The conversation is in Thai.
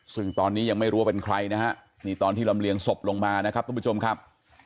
ซึ่งตอนนี้ยังไม่รู้ว่าเป็นใครนะฮะนี่ตอนที่ลำเลียงศพลงมานะครับทุกผู้ชมครับ